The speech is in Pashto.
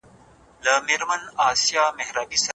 که الوتکه وي نو لاره نه لیرې کیږي.